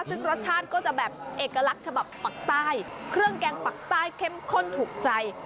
ซึ่งรสชาติก็จะแบบเอกลักษณ์ฉบับปักใต้เครื่องแกงปักใต้เข้มข้นถูกใจ